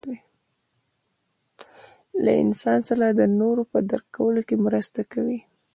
له انسان سره د نورو په درک کولو کې مرسته کوي.